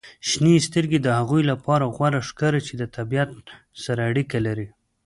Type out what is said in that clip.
• شنې سترګې د هغوی لپاره غوره ښکاري چې د طبیعت سره اړیکه لري.